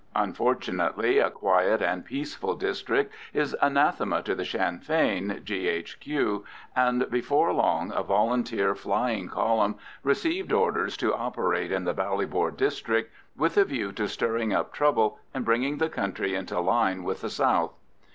Unfortunately, a quiet and peaceful district is anathema to the Sinn Fein G.H.Q., and before long a Volunteer flying column received orders to operate in the Ballybor district, with a view to stirring up trouble and bringing the county into line with the south.